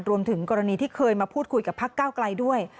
รวมถึงกรณีที่เคยมาพูดคุยกับพักเก้าไกลด้วย